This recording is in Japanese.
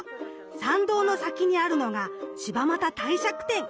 参道の先にあるのが柴又帝釈天。